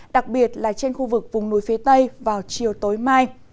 đặc biệt là trên khu vực vùng núi phía tây vào chiều tối mai